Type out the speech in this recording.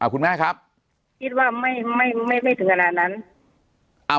คุณแม่ครับคิดว่าไม่ไม่ถึงขนาดนั้น